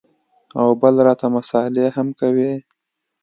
او بل راته مسالې هم کوې.